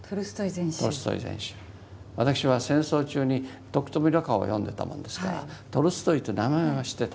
私は戦争中に徳冨蘆花を読んでたもんですからトルストイっていう名前は知ってた。